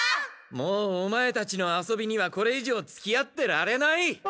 もうオマエたちの遊びにはこれいじょうつきあってられない！